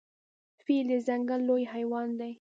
فیل د ځنګل لوی حیوان دی.